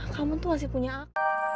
kamu tuh masih punya aku